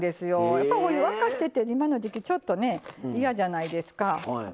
やっぱりお湯沸かしてって今の時季、嫌じゃないですか。